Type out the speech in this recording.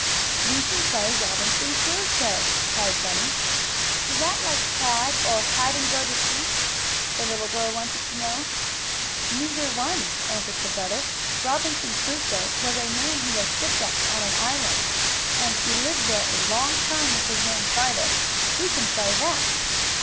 "We can play Robinson Crusoe!" cried Bunny. "Is that like tag, or hide and go to seek?" the little girl wanted to know. "Neither one," answered her brother. "Robinson Crusoe was a man who was shipwrecked on an island, and he lived there a long time with his man Friday. We can play that."